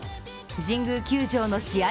神宮球場の試合